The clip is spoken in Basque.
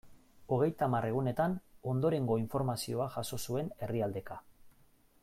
Hogeita hamar egunetan ondorengo informazioa jaso zuen herrialdeka.